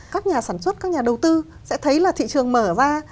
các nhà sản xuất các nhà đầu tư sẽ thấy là thị trường mở ra